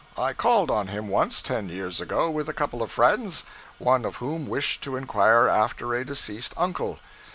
I called on him once, ten years ago, with a couple of friends, one of whom wished to inquire after a deceased uncle.